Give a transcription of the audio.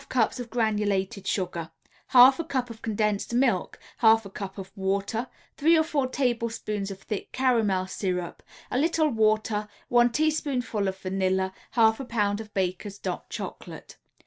] 2 1/2 cups of granulated sugar, 1/2 a cup of condensed milk, 1/2 a cup of water, 3 or 4 tablespoonfuls of thick caramel syrup, A little water, 1 teaspoonful of vanilla, 1/2 a pound of Baker's "Dot" Chocolate.